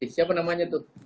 siapa namanya tuh